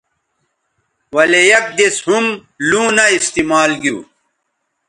ولے یک دِس ھم لوں نہ استعمال گیو